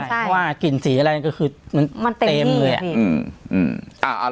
เพราะว่ากลิ่นสีอะไรก็คือมันเต็มเลยอ่ะ